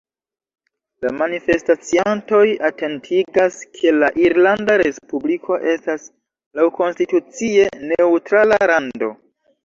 La manifestaciantoj atentigas, ke la Irlanda Respubliko estas laŭkonstitucie neŭtrala lando.